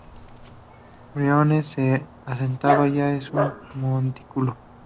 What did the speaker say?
Briones se asentaba ya en su montículo.